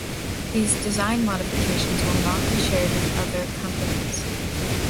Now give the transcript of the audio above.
These design modifications will not be shared with other companies.